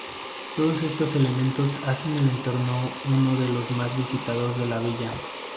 Todos estos elementos hacen del entorno uno de los más visitados de la villa.